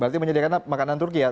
berarti menyediakan makanan turki ya